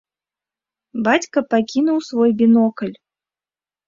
Бацька пакінуў свой бінокль.